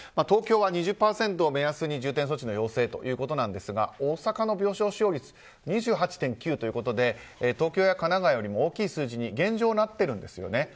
東京は２０％を目安に重点措置の要請ということですが大阪の病床使用率２８．９ということで東京や神奈川よりも大きい数字に現状、なってるんですね。